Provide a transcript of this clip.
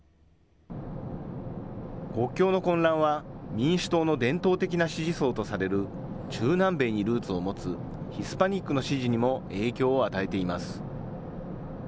国境の混乱は民主党の伝統的な支持層とされる、中南米にルーツを持つヒスパニックの支持にも影響を与えています。